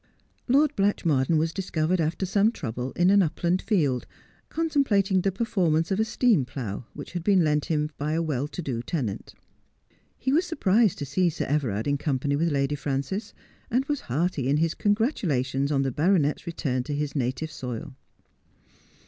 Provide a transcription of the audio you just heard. Lord Blatchmakdean was discovered after some trouble in an upland field, contemplating the performance of a steam plough which had been lent him by a well to do tenant. He was sur prised to see Sir Everard in company with Lady France s, and was hearty in hi3 congratulations on the baronet's return to his native soil.